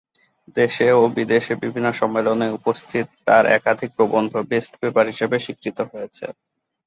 দেশে ও বিদেশে বিভিন্ন সম্মেলনে উপস্থাপিত তার একাধিক প্রবন্ধ "বেস্ট পেপার" হিসেবে স্বীকৃত হয়েছে।